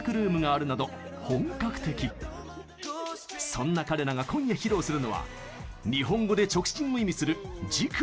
そんな彼らが今夜披露するのは日本語で「直進」を意味する「ＪＩＫＪＩＮ」。